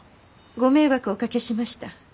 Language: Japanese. ご迷惑おかけしました。